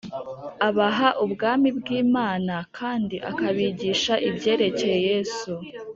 abaha Ubwami bw Imana kandi akabigisha ibyerekeye Yesu